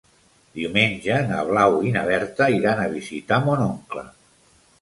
Diumenge na Blau i na Berta iran a visitar mon oncle.